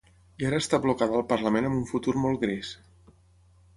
I ara està blocada al parlament amb un futur molt gris.